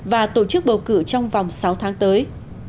và tổ chức bầu cử trong vòng sáu tháng tới